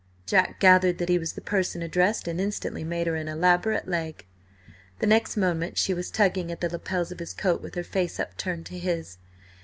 Jack gathered that he was the person addressed, and instantly made her an elaborate leg. The next moment she was tugging at the lapels of his coat, with her face upturned to his.